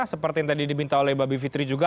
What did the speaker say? seperti yang tadi diminta oleh mbak bivitri juga